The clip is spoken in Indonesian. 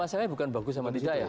saya bukan bagus sama tidak ya